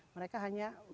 mereka hanya mencari desa